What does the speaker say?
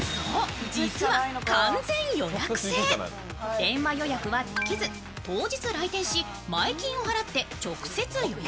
電話予約はできず、当日来店し、前金を払って直接予約。